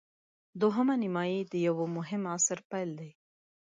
دوهمه نیمايي د یوه مهم عصر پیل دی.